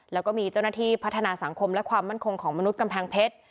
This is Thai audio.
แล้วก็มีเจ้าหน้าที่พัฒนาสังคมและความมั่นคงของมนุษย์กำแพงเพชร